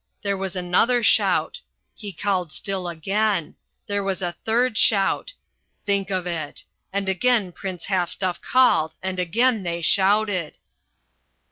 There was another shout. He called still again. There was a third shout. Think of it! And again Prinz Halfstuff called and again they shouted."